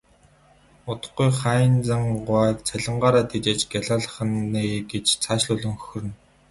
Удахгүй Хайнзан гуайг цалингаараа тэжээж гялайлгах нь ээ гэж цаашлуулан хөхөрнө.